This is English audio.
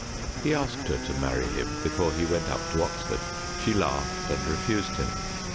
He asked her to marry him before he went up to Oxford. She laughed and refused him.